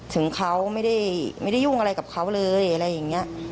ถึงเขาไม่ได้ยุ่งอะไรกับเขาเลยอะไรอย่างนี้